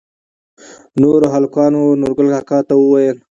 نوور هلکانو نورګل کاکا ته وويل